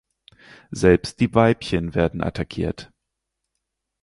Selbst die Weibchen werden attackiert.